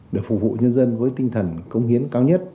để phục vụ nhân dân với tinh thần công hiến cao nhất